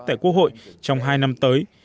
tại quốc hội trong hai năm tới